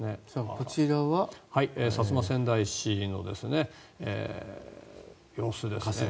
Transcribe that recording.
こちらは薩摩川内市の様子です。